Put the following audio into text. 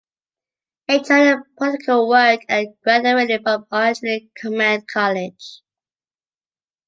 Majored in political work and graduated from Artillery Command College.